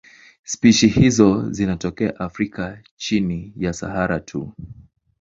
Spishi hizi zinatokea Afrika chini ya Sahara tu.